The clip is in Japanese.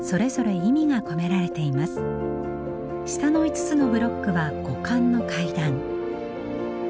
下の５つのブロックは五感の階段。